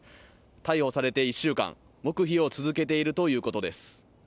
逮捕されて１週間黙秘を続けているということです